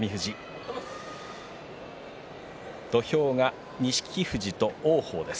土俵は錦富士と王鵬です。